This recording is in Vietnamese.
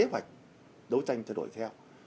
cái kế hoạch đấu tranh thay đổi theo